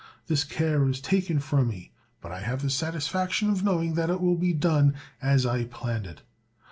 "This care is taken from me; but I have the satisfaction of knowing that it will be done as I planned it.